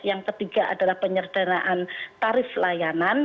yang ketiga adalah penyerdanaan tarif layanan